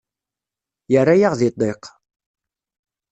Yerra-yaɣ di ddiq.